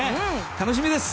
楽しみです！